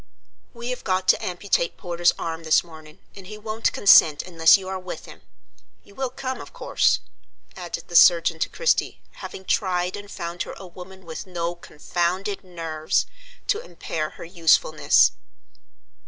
"We have got to amputate Porter's arm this morning, and he won't consent unless you are with him. You will come, of course?" added the surgeon to Christie, having tried and found her a woman with no "confounded nerves" to impair her usefulness.